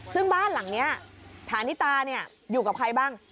ซึ่งบ้านหลังนี้ฐานิตาอยู่กับใครบ้าง